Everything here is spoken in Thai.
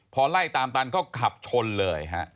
พอไล่ตามตันก็ขับชนเลยฮะ